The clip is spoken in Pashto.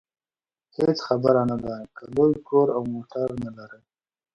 هېڅ خبره نه ده که لوی کور او موټر نلرئ.